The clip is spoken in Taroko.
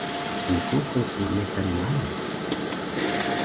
Smkuxul su mekan maanu?